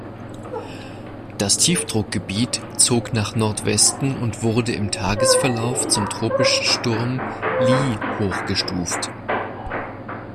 Das Tiefdruckgebiet zog nach Nordwesten und wurde im Tagesverlauf zum Tropischen Sturm Lee hochgestuft.